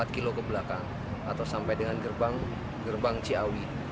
empat kilo ke belakang atau sampai dengan gerbang ciawi